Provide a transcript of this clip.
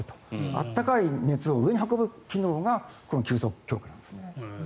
暖かい熱を上に運ぶ機能が急速強化なんです。